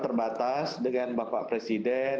terbatas dengan bapak presiden